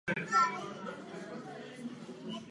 Mimi krčí rameny.